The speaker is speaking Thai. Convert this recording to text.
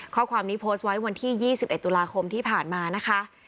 ข้อความนี้โพสต์ไว้วันที่๒๑ตุลาคมที่ผ่านมานะคะ